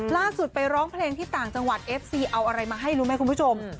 ไปร้องเพลงที่ต่างจังหวัดเอฟซีเอาอะไรมาให้รู้ไหมคุณผู้ชม